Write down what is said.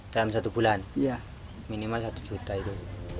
dalam satu bulan minimal satu juta itu